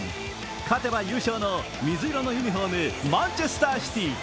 勝てば優勝の水色のユニフォームマンチェスターシティ